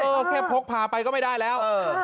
แค่พกพาไปก็ไม่ได้แล้ว